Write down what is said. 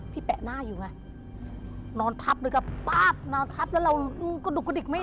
พี่แปะหน้าอยู่ไงนอนทับเลยค่ะป๊าบนอนทับแล้วเราก็ดุกดิกไม่ได้